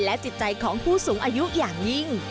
จิตใจของผู้สูงอายุอย่างยิ่ง